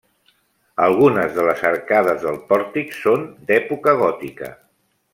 Algunes de les arcades del pòrtic són d'època gòtica.